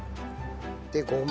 でごま。